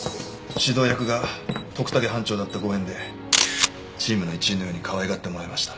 指導役が徳武班長だったご縁でチームの一員のようにかわいがってもらいました。